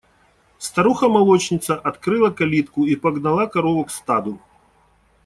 Старуха молочница открыла калитку и погнала корову к стаду.